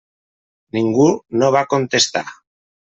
Ningú no va contestar.